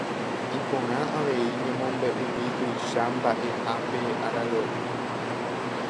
Iporã avei ñamombe'umi tuicha mba'eha pe araro'y